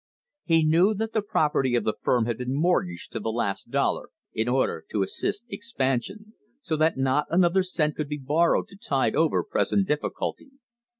He knew that the property of the firm had been mortgaged to the last dollar in order to assist expansion, so that not another cent could be borrowed to tide over present difficulty.